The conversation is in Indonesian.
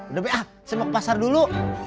udah bea semak pasar dulu